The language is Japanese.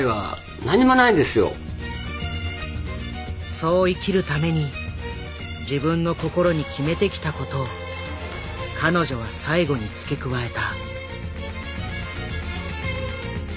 そう生きるために自分の心に決めてきた事を彼女は最後に付け加えた。